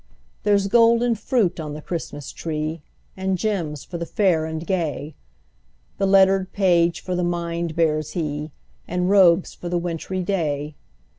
There's golden fruit on the Christmas tree, And gems for the fair and gay; The lettered page for the mind bears he, And robes for the wintry day.